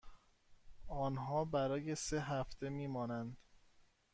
آنها برای سه هفته می مانند.